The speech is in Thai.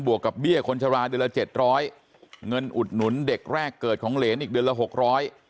กับเบี้ยคนชะลาเดือนละเจ็ดร้อยเงินอุดหนุนเด็กแรกเกิดของเหรนอีกเดือนละหกร้อย